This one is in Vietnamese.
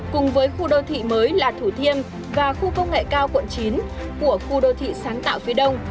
cùng với khu đô thị mới là thủ thiêm và khu công nghệ cao quận chín của khu đô thị sáng tạo phía đông